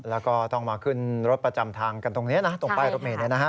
แล้วก็ต้องมาขึ้นรถประจำทางกันตรงนี้นะตรงป้ายรถเมย์